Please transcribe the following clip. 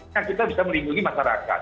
nah kita bisa melindungi masyarakat